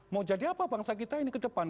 mau jadi apa bangsa kita ini ke depan